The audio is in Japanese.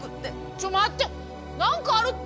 ちょ待って何かあるって。